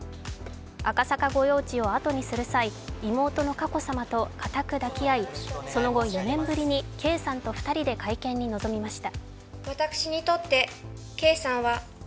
赤坂御用地を後にする際、妹の佳子さまとかたく抱き合い、その後、４年ぶりに圭さんと２人で会見に臨みました。